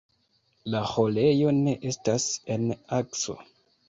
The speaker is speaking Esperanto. La ĥorejo ne estas en akso.